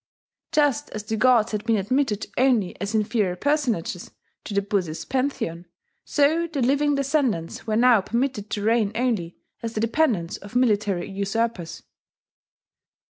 Just as the gods had been admitted only as inferior personages to the Buddhist pantheon, so their living descendants were now permitted to reign only as the dependants of military usurpers.